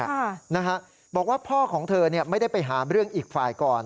ค่ะนะฮะบอกว่าพ่อของเธอเนี่ยไม่ได้ไปหาเรื่องอีกฝ่ายก่อน